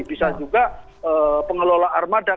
bisa juga pengelola armada